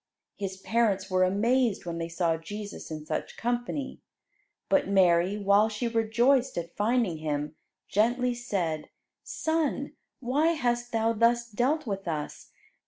His parents were amazed when they saw Jesus in such company. But Mary, while she rejoiced at finding Him, gently said, "Son, why hast Thou thus dealt with us?